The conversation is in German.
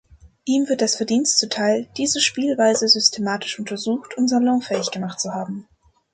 Ihm wird das Verdienst zuteil, diese Spielweise systematisch untersucht und salonfähig gemacht zu haben.